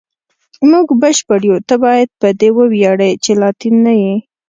موږ بشپړ یو، ته باید په دې وویاړې چې لاتین نه یې.